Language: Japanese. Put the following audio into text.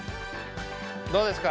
どうですか？